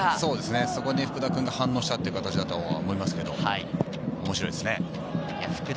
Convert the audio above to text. そこに福田君が反応した形だと思いますけどね、面白いですね。